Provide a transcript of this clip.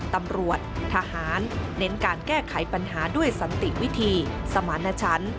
ตำรวจทหารเน้นการแก้ไขปัญหาด้วยสันติวิธีสมารณชัน